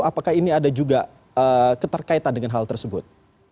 apakah ini ada juga keterkaitan dengan hal tersebut